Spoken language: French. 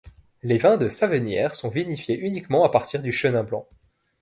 Les vins de Savennières sont vinifiés uniquement à partir du chenin blanc.